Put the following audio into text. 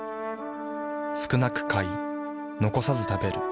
少なく買い残さず食べる。